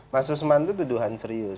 mas usman itu tuduhan serius